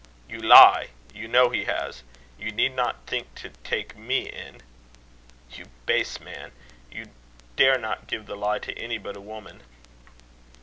"You lie. You know he has. You need not think to take me in." "You base man! You dare not give the lie to any but a woman."